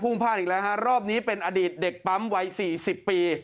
พลาดอีกแล้วฮะรอบนี้เป็นอดีตเด็กปั๊มวัยสี่สิบปี